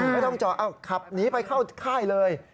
ไม่ต้องจอดขับหนีไปเข้าค่ายเลย